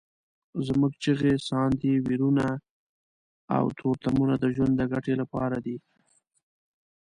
زموږ چیغې، ساندې، ویرونه او تورتمونه د ژوند د ګټې لپاره دي.